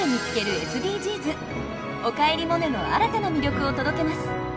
「おかえりモネ」の新たな魅力を届けます。